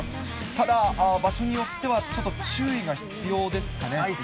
ただ、場所によってはちょっと注意が必要ですかね、杉江さん。